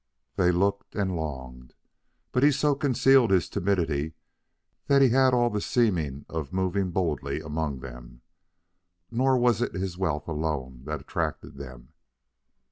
They looked and longed, but he so concealed his timidity that he had all the seeming of moving boldly among them. Nor was it his wealth alone that attracted them.